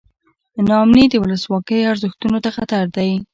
نا امني د ولسواکۍ ارزښتونو ته خطر دی.